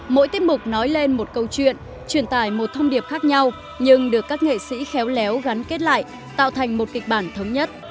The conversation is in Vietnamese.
mỗi tiết mục nói lên một câu chuyện truyền tải một thông điệp khác nhau nhưng được các nghệ sĩ khéo léo gắn kết lại tạo thành một kịch bản thống nhất